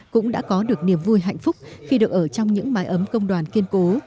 cũng đã có được niềm vui hạnh phúc khi được ở trong những mái ấm công đoàn kiên cố